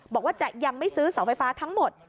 บอกว่าจะยังไม่ซื้อเสาไฟฟ้าทั้งหมด